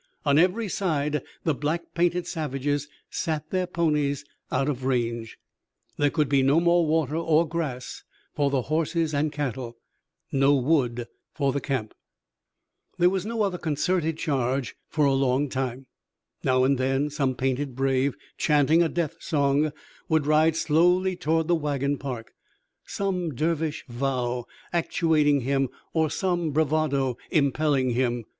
On every side the black painted savages sat their ponies, out of range. There could be no more water or grass for the horses and cattle, no wood for the camp. There was no other concerted charge for a long time. Now and then some painted brave, chanting a death song, would ride slowly toward the wagon park, some dervish vow actuating him or some bravado impelling him.